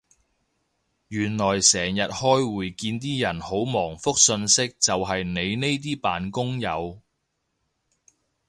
原來成日開會見啲人好忙覆訊息就係你呢啲扮工友